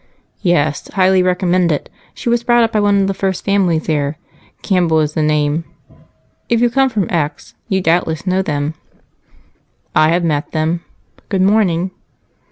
"Yes, highly recommended. She was brought up by one of the first families there. Campbell is the name. If you come from X, you doubtless know them." "I have met them. Good morning."